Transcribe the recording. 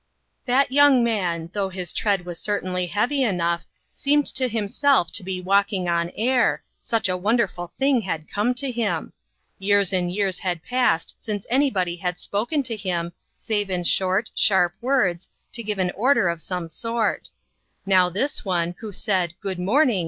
That young man, though his tread was certainly heavy enough, seemed to himself to be walking on air, such a wonderful tiling had come to him ! Years and years had passed since anybody had spoken to him, save in short, sharp words, to give an order of some sort. Now this one, who said u Good morning